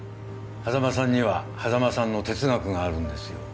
波佐間さんには波佐間さんの哲学があるんですよ